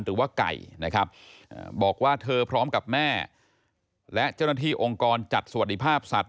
หรือว่าไก่นะครับบอกว่าเธอพร้อมกับแม่และเจ้าหน้าที่องค์กรจัดสวัสดิภาพสัตว